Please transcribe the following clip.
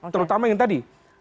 terutama yang tadi